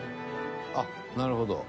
あっなるほど。